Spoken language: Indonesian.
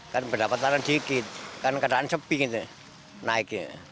kan dapatan sedikit kan keadaan seping itu naiknya